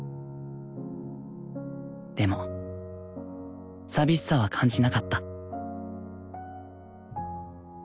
でも寂しさは感じなかった。